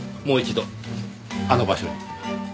もう一度あの場所に。